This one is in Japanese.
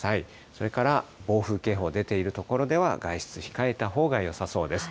それから暴風警報出ている所では、外出控えたほうがよさそうです。